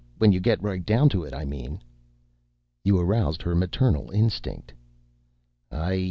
When you get right down to it, I mean." "You aroused her maternal instinct." "I